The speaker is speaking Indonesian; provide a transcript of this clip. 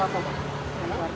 dengan keluarga ya